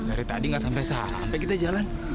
dari tadi gak sampai sampai kita jalan